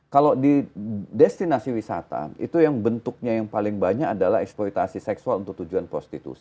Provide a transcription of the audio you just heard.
kalau di destinasi wisata itu yang bentuknya yang paling banyak adalah eksploitasi seksual untuk tujuan prostitusi